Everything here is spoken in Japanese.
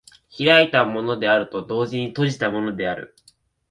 開いたものであると同時に閉じたものである。